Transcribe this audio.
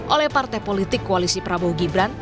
oleh partai politik koalisi prabowo gibran